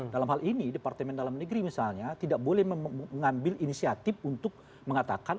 dalam hal ini departemen dalam negeri misalnya tidak boleh mengambil inisiatif untuk mengatakan